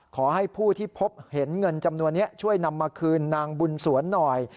ขอให้ผู้ที่พบเห็นเงินจำนวนนี้ช่วยนำมาคืนนางบุญสวนหน่อย